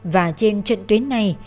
và trên trận tuyến này